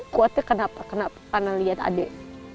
khawatir kenapa kenapa karena lihat adik